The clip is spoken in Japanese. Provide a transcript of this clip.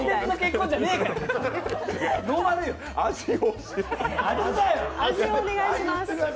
味をお願いします。